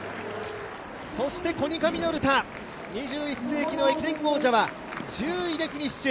そしてコニカミノルタ、２１世紀の駅伝王者は１０位でフィニッシュ。